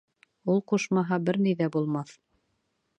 Ул ҡушмаһа, бер ни ҙә булмаҫ.